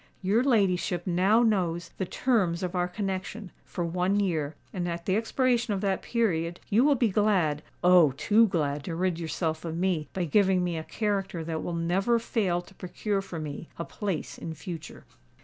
Your ladyship now knows the terms of our connexion, for one year; and at the expiration of that period you will be glad—Oh! too glad to rid yourself of me by giving me a character that will never fail to procure for me a place in future."